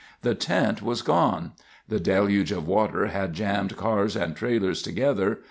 The tent was gone. The deluge of water had jammed cars and trailers together.